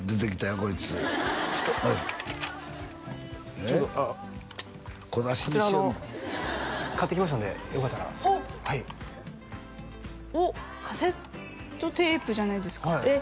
こいつちょっとこちらの小出しにしよるな買ってきましたんでよかったらはいおっカセットテープじゃないですかえっ